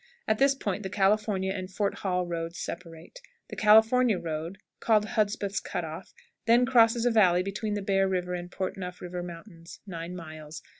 At this point the California and Fort Hall roads separate. The California road (called Hudspeth's Cut off) then crosses a valley between the Bear River and Port Neuf River Mountains, 9 miles.